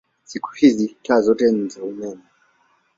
Siku hizi taa zote ni za umeme.